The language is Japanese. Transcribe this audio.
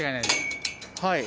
はい。